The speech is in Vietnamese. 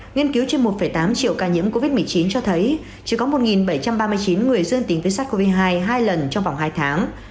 nghiên cứu trên một tám triệu ca nhiễm covid một mươi chín cho thấy chỉ có một bảy trăm ba mươi chín người dương tính với sars cov hai hai lần trong vòng hai tháng